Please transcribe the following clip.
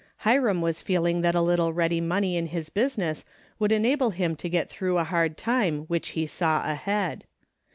Hiram was feeling that a little ready money in his business would enable him to get through a hard time which he saw ahead.